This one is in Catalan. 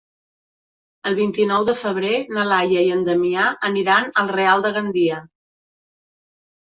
El vint-i-nou de febrer na Laia i en Damià aniran al Real de Gandia.